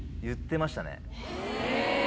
言ってましたね。